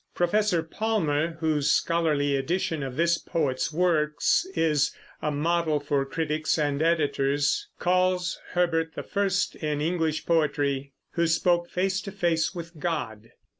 Professor Palmer, whose scholarly edition of this poet's works is a model for critics and editors, calls Herbert the first in English poetry who spoke face to face with God.